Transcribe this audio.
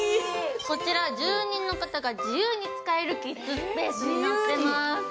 こちら住人の方が自由に使えるキッズスペースになっています。